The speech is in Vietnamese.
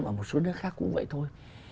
mà một số nơi khác cũng vậy thôi